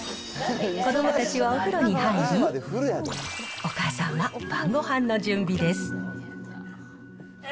子どもたちはお風呂に入り、お母さんは晩ごはんの準備です。